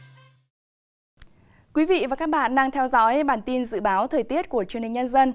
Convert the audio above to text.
thưa quý vị và các bạn đang theo dõi bản tin dự báo thời tiết của truyền hình nhân dân